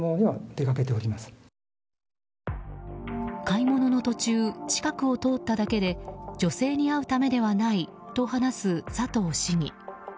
買い物の途中近くを通っただけで女性に会うためではないと話す佐藤市議。